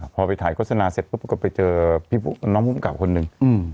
พอไปถ่ายโฆษณาเสร็จปุ๊บก็ไปเจอพี่น้องภูมิกับคนหนึ่ง